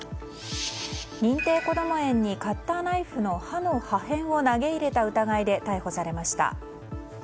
認定こども園にカッターナイフの刃の破片を投げ入れた疑いで逮捕されました。